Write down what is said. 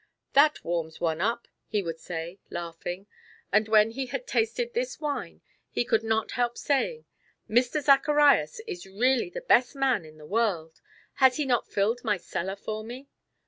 "That warms one up," he would say, laughing. And when he had tasted this wine he could not help saying: "Mr. Zacharias is really the best man in the world. Has he not filled my cellar for me?